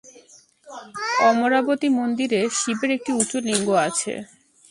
অমরাবতী মন্দিরে শিবের একটি উঁচু লিঙ্গ আছে।